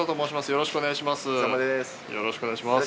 よろしくお願いします。